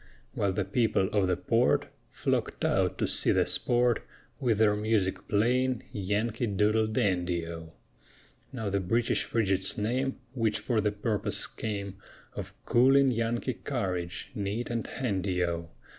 While the people of the port Flocked out to see the sport, With their music playing Yankee Doodle Dandy O! Now the British Frigate's name Which for the purpose came Of cooling Yankee courage Neat and handy O!